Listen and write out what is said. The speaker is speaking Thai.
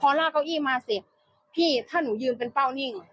พอลากเก้าอี้มาเสร็จพี่ถ้าหนูยืนเป็นเป้านิ่ง